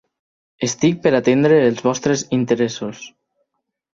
Estic per atendre els vostres interessos.